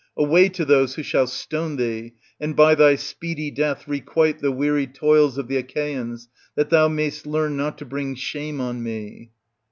Away to those who shall stone thee, and by thy speedy death requite the weary toils of the Achaeans, that thou mayst learn not to bring shame on me